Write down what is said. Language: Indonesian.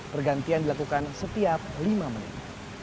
pergantian dilakukan setiap lima menit